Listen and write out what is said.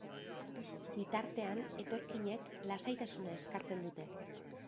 Bitartean etorkinek, lasaitasuna eskatzen dute.